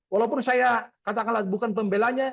walaupun saya katakanlah bukan pembelanya